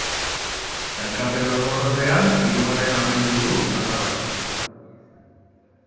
Sailkapen orokorrean hirugarren amaitu du nafarrak.